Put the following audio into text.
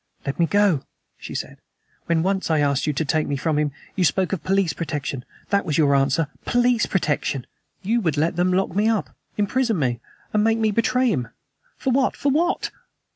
"Let me go!" she said. "When, once, I asked you to take me from him, you spoke of police protection; that was your answer, police protection! You would let them lock me up imprison me and make me betray him! For what? For what?"